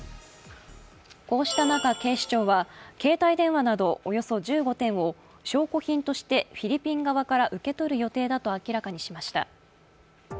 こうした中、警視庁は携帯電話などおよそ１５点を証拠品としてフィリピン側から受け取る予定だと明らかにしました。